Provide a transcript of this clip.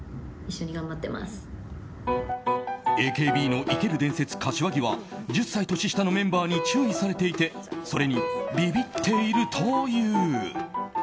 ＡＫＢの生ける伝説・柏木は１０歳年下のメンバーに注意されていてそれにビビっているという。